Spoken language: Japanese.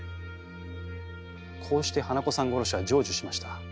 こうして花子さん殺しは成就しました。